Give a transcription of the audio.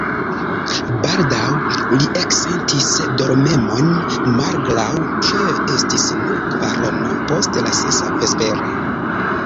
Baldaŭ li eksentis dormemon, malgraŭ ke estis nur kvarono post la sesa vespere.